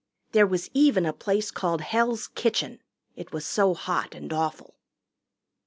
There was even a place called Hell's Kitchen, it was so hot and awful.